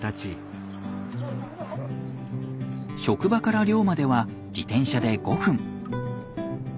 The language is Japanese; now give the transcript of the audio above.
職場から寮までは自転車で５分。